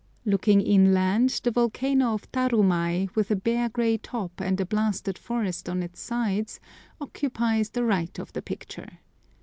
Looking inland, the volcano of Tarumai, with a bare grey top and a blasted forest on its sides, occupies the right of the picture.